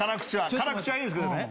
辛口はいいんですけどね。